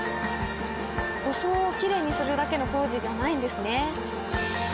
装をきれいにするだけの工事じゃないんですね。